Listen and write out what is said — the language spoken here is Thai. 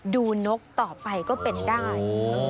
นกต่อไปก็เป็นได้